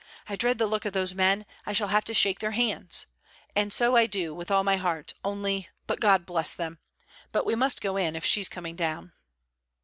I dread the look of those men; I shall have to shake their hands! And so I do, with all my heart: only But God bless them! But we must go in, if she's coming down.'